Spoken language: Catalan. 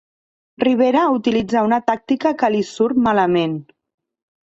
Rivera utilitza una tàctica que li surt malament